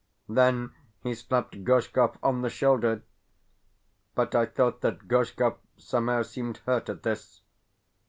Then he slapped Gorshkov on the shoulder, but I thought that Gorshkov somehow seemed hurt at this.